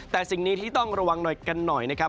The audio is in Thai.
แต่สิ่งนี้ที่ต้องระวังหน่อยกันหน่อยนะครับ